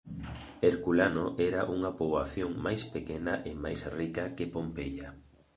Herculano era unha poboación máis pequena e máis rica que Pompeia.